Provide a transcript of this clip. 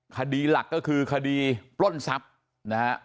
คดีหลักก็คือคดีปล้นทรัพย์นะฮะ